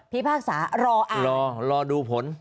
พี่ภาคสารออ่านรอดูผล